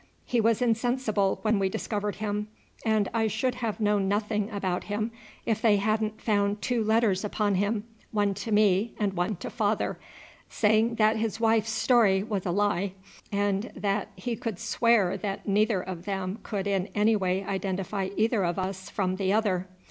"He was insensible when we discovered him; and I should have known nothing about him if they hadn't found two letters upon him, one to me and one to father, saying that his wife's story was a lie, and that he could swear that neither of them could in any way identify either of us from the other.